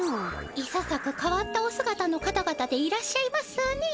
いささかかわったおすがたの方々でいらっしゃいますねえ。